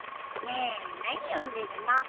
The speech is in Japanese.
ねえ何読んでるの？